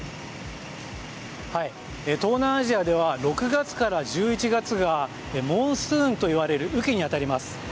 東南アジアでは６月から１１月がモンスーンといわれる雨季に当たります。